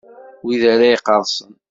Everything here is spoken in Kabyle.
Wid ara iqqerṣen.